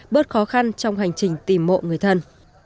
bớt khó khăn trong hành trình tìm mộ người thân